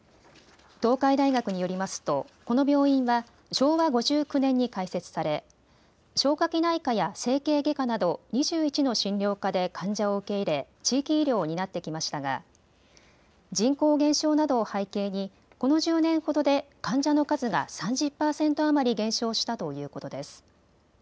東海大学によりますとこの病院は昭和５９年に開設され消化器内科や整形外科など２１の診療科で患者を受け入れ地域医療を担ってきましたが人口減少などを背景にこの１０年ほどで患者の数が３０％余り減少したということです。